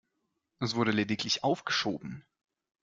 Es wurde lediglich aufgeschoben.